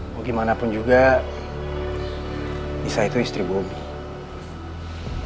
mau gimana pun juga nisa itu istri bobby